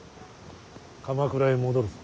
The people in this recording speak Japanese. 鎌倉へ戻るぞ。